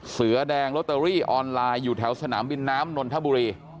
เสือแดงลอตเตอรี่ออนไลน์อยู่แถวสนามบินน้ำนนทบุรี